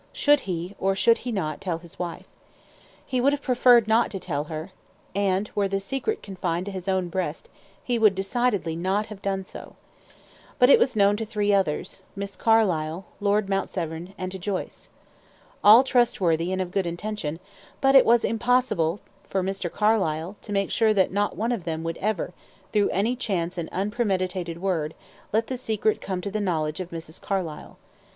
Should he, or should he not, tell his wife? He would have preferred not to tell her; and, were the secret confined to his own breast, he would decidedly not have done so. But it was known to three others to Miss Carlyle, to lord Mount Severn, and to Joyce. All trustworthy and of good intention; but it was impossible for Mr. Carlyle to make sure that not one of them would ever, through any chance and unpremeditated word, let the secret come to the knowledge of Mrs. Carlyle.